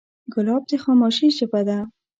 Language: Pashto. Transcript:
ګلاب د خاموشۍ ژبه ده.